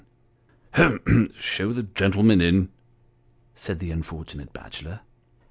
Hem show the gentleman in," said the unfortunate bachelor.